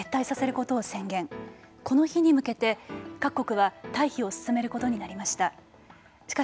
この日に向けて各国は退避を進めることになりました。